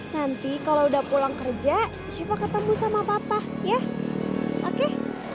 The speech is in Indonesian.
nanti kalau udah pulang kerja cuma ketemu sama papa ya oke